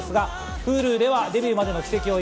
Ｈｕｌｕではデビューまでの軌跡を追う